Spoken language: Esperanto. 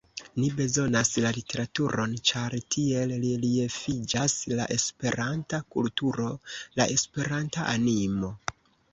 Ni bezonas la literaturon, ĉar tiel reliefiĝas la Esperanta kulturo, la Esperanta animo.